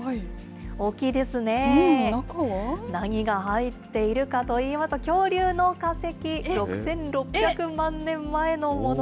何が入っているかといいますと、恐竜の化石、６６００万年前のもの。